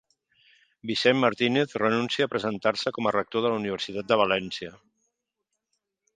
Vicent Martínez renuncia a presentar-se com a rector de la Universitat de València